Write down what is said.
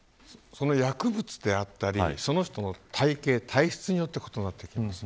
薬物であったりその人の体型、体質によって異なってきます。